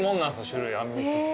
種類あんみつって。